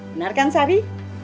benar kan sari